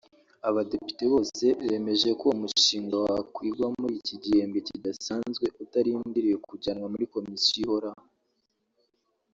Abadepite bose bemeje ko uwo mushinga wakwigwa muri iki gihembwe kidasanzwe utarindiriye kujyanwa muri Komisiyo ihoraho